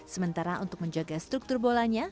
sementara untuk menjaga struktur bolanya